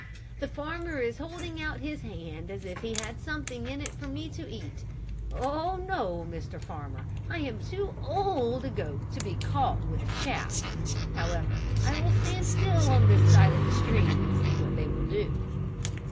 The farmer is holding out his hand as if he had something in it for me to eat. Oh, no, Mr. Farmer, I am too old a goat to be caught with chaff. However, I will stand still on this side of the stream and see what they will do."